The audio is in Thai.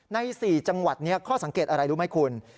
ใน๔จังหวัดนี้ข้อสังเกตอะไรรู้ไหมคุณ